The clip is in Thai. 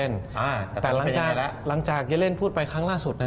แต่หลังจากเยเล่นพูดไปครั้งล่าสุดนะ